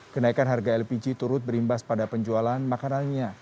kenaikan harga lpg turut berimbas pada penjualan makanannya